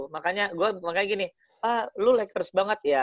makanya gue makanya gini ah lu lakers banget ya